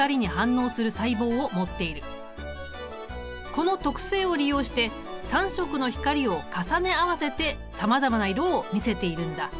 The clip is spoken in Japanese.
この特性を利用して３色の光を重ね合わせてさまざまな色を見せているんだ。